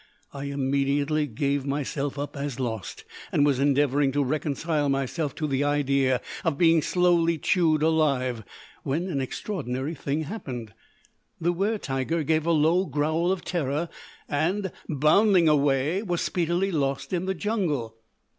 I immediately gave myself up as lost, and was endeavouring to reconcile myself to the idea of being slowly chewed alive, when an extraordinary thing happened. The wer tiger gave a low growl of terror and, bounding away, was speedily lost in the jungle.